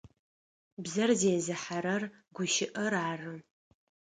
Бзэр зезыхьэрэр гущыӏэр ары.